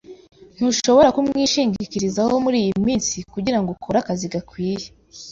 Ntushobora kumwishingikirizaho muriyi minsi kugirango ukore akazi gakwiye.